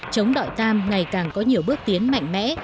trống đoại tam ngày càng có nhiều bước tiến mạnh mẽ